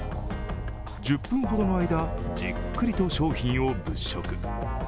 １０分ほどの間、じっくりと商品を物色。